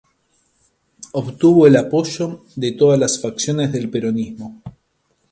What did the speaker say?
Obtuvo el apoyo de todas las facciones del peronismo.